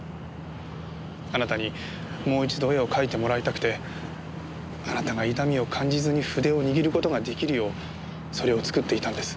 あなたにもう一度絵を描いてもらいたくてあなたが痛みを感じずに筆を握る事が出来るようそれを作っていたんです。